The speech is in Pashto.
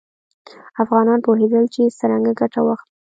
افغانان پوهېدل چې څرنګه ګټه واخلي.